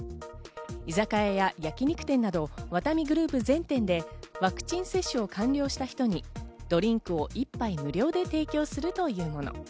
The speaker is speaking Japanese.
居酒屋や焼肉店など、ワタミグループ全店でワクチン接種を完了した人にドリンクを１杯無料で提供するというもの。